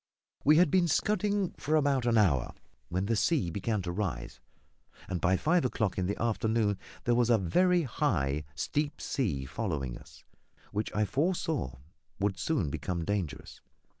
We had been scudding for about an hour when the sea began to rise, and by five o'clock in the afternoon there was a very high, steep sea following us, which I foresaw would soon become dangerous.